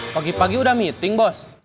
pagi pagi udah meeting bos